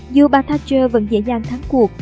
dù bà thatcher vẫn dễ dàng thắng cuộc